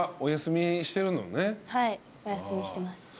はいお休みしてます。